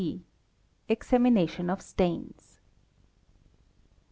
G. Examination of stains.